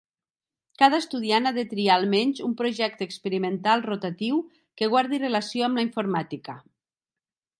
Cada estudiant ha de triar almenys un projecte experimental rotatiu que guardi relació amb la informàtica.